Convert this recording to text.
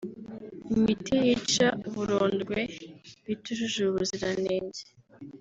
Imiti yica uburondwe itujuje ubuziranenge